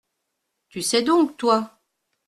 Tu sais donc, toi ?